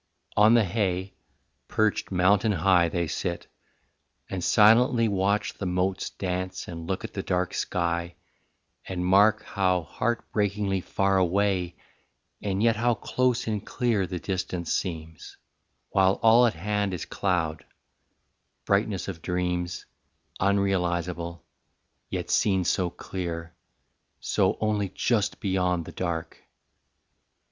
On the hay, Perched mountain high they sit, and silently Watch the motes dance and look at the dark sky And mark how heartbreakingly far away And yet how close and clear the distance seems, While all at hand is cloud brightness of dreams Unrealisable, yet seen so clear, So only just beyond the dark.